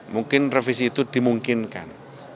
mungkin revisi itu dimungkinkan